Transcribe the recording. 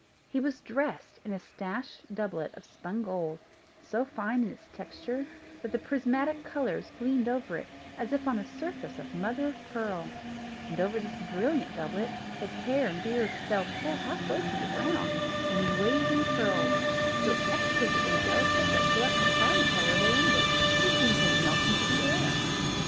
He was dressed in a slashed doublet of spun gold, so fine in its texture, that the prismatic colours gleamed over it, as if on a surface of mother of pearl; and, over this brilliant doublet, his hair and beard fell full halfway to the ground, in waving curls, so exquisitely delicate that Gluck could hardly tell where they ended; they seemed to melt into air.